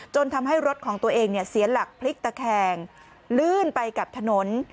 ทำให้รถของตัวเองเสียหลักพลิกตะแคงลื่นไปกับถนน